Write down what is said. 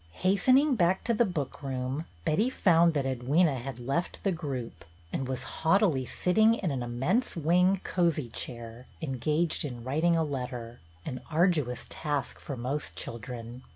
Hastening back to the book room, Betty found that Edwyna had left the group, and was haughtily sitting in an immense wing cosey chair, engaged in writing a letter, — an arduous task for most children.